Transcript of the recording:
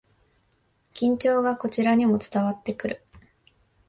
緊張がこちらにも伝わってくる